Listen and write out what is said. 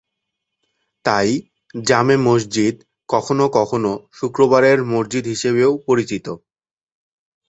তাই জামে মসজিদ কখনও কখনও শুক্রবারের মসজিদ হিসেবেও পরিচিত।